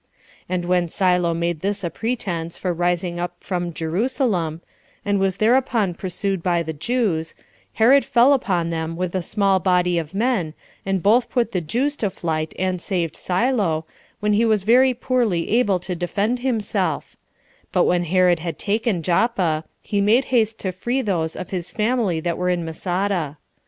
And when Silo made this a pretense for rising up from Jerusalem, and was thereupon pursued by the Jews, Herod fell upon them with a small body of men, and both put the Jews to flight and saved Silo, when he was very poorly able to defend himself; but when Herod had taken Joppa, he made haste to set free those of his family that were in Masada.